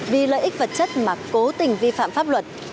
vì lợi ích vật chất mà cố tình vi phạm pháp luật